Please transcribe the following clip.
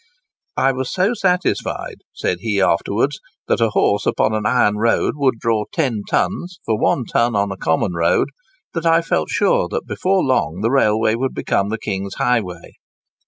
"I was so satisfied," said he afterwards, "that a horse upon an iron road would draw ten tons for one ton on a common road, that I felt sure that before long the railway would become the King's highway."